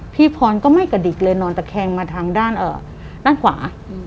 พี่พรก็ไม่กระดิกเลยนอนตะแคงมาทางด้านขวา